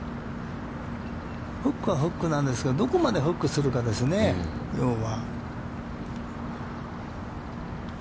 フックはフックなんですけど、どこまでフックするかですね、要は。